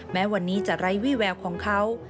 แม้วันนี้จะไร้วี่แววของเขา